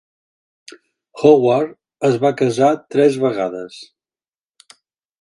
Howard es va casar tres vegades.